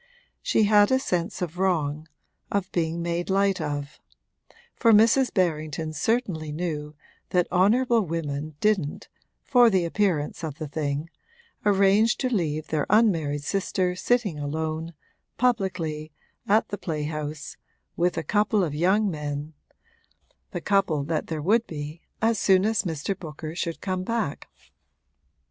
She had a sense of wrong of being made light of; for Mrs. Berrington certainly knew that honourable women didn't (for the appearance of the thing) arrange to leave their unmarried sister sitting alone, publicly, at the playhouse, with a couple of young men the couple that there would be as soon as Mr. Booker should come back.